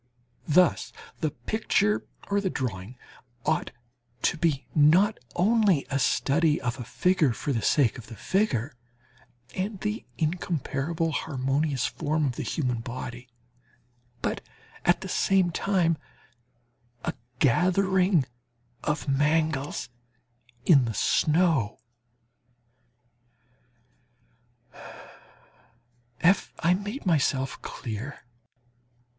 Thus the picture or the drawing ought to be not only a study of a figure for the sake of the figure, and the incomparably harmonious form of the human body but at the same time "a gathering of mangels in the snow"! Have I made myself clear?